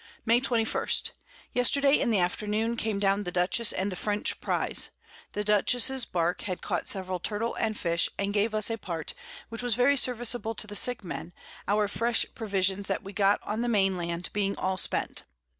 May 21. Yesterday in the Afternoon came down the Dutchess and the French Prize. The Dutchess's Bark had caught several Turtle and Fish, and gave us a Part, which was very serviceable to the sick Men, our fresh Provisions that we got on the main Land being all spent.